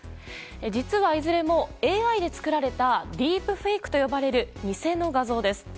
実はいずれもＡＩで作られたディープフェイクと呼ばれる偽の画像です。